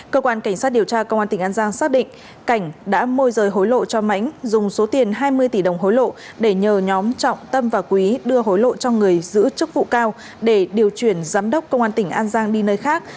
cơ quan cảnh sát điều tra công an tỉnh an giang xác định cảnh đã môi rời hối lộ cho mãnh dùng số tiền hai mươi tỷ đồng hối lộ để nhờ nhóm trọng tâm và quý đưa hối lộ cho người giữ chức vụ cao để điều chuyển giám đốc công an tỉnh an giang đi nơi khác